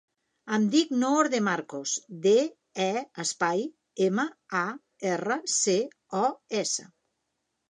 Em dic Noor De Marcos: de, e, espai, ema, a, erra, ce, o, essa.